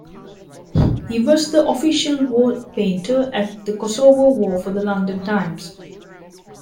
He was the official war painter at the Kosovo War for the "London Times".